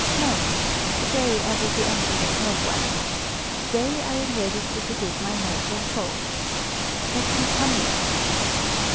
"No. To day I will be angry with no one. To day I am ready to forgive my mortal foe. Let him come in."